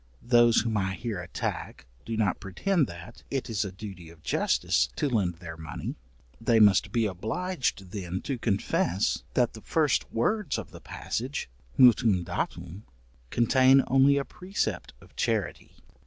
Those whom I here attack do not pretend that it is a duty of justice to lend their money; they must be obliged then to confess, that the first words of the passage, mutuum date, contain only a precept of charity.